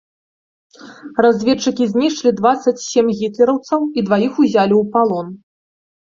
Разведчыкі знішчылі дваццаць сем гітлераўцаў і дваіх узялі ў палон.